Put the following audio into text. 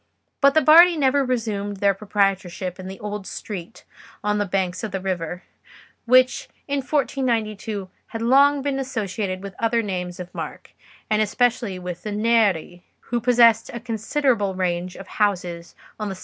But the Bardi never resumed their proprietorship in the old street on the banks of the river, which in 1492 had long been associated with other names of mark, and especially with the Neri, who possessed a considerable range of houses on the side towards the hill.